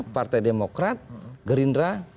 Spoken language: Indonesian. partai demokrat gerindra